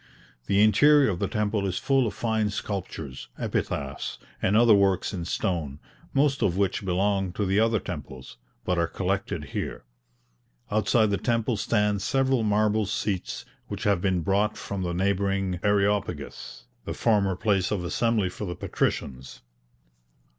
The interior of the temple is full of fine sculptures, epitaphs, and other works in stone, most of which belong to the other temples, but are collected here. Outside the temple stand several marble seats which have been brought from the neighbouring Areopagus, the former place of assembly for the patricians.